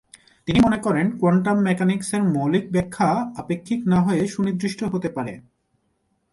তিনি মনে করেন কোয়ান্টাম মেকানিক্সের মৌলিক ব্যাখ্যা আপেক্ষিক না হয়ে সুনির্দিষ্ট হতে পারে।